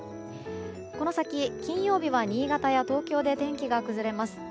この先、金曜日は新潟や東京で天気が崩れます。